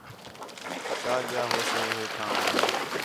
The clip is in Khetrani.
چا ڳِیا ہوسے ہے تھوں وا